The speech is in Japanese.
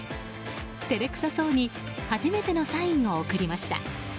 照れくさそうに初めてのサインを贈りました。